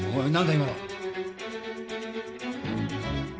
今の。